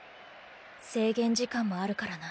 制限時間もあるからな。